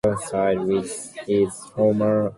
Cosey's career of historical forgery began by chance.